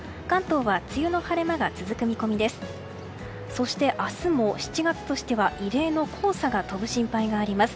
そして、明日も７月としては異例の黄砂が飛ぶ心配があります。